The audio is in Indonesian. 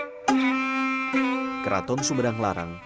kerajaan sumedang sumedang larang